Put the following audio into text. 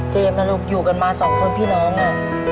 เจมส์น่ะลุกอยู่กันมาสองคนที่น้องอ่ะ